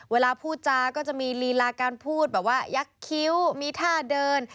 เวลาพูดจาก็จะมีลีลาการพูดแบบว่ายักษ์คิ้วมีท่าเดิน